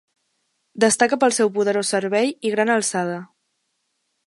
Destaca pel seu poderós servei i gran alçada.